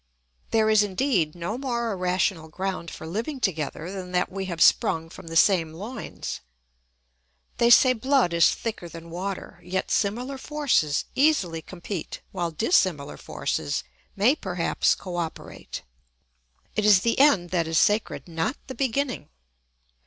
There is indeed no more irrational ground for living together than that we have sprung from the same loins. They say blood is thicker than water; yet similar forces easily compete while dissimilar forces may perhaps co operate. It is the end that is sacred, not the beginning.